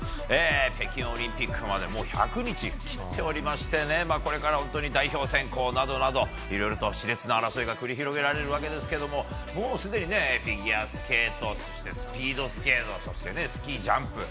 北京オリンピックまでもう１００日を切っておりましてこれから代表選考などなどいろいろと熾烈な争いが繰り広げられるわけですけれどももうすでに、フィギュアスケートスピードスケートそしてスキージャンプ。